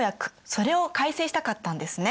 それを改正したかったんですね。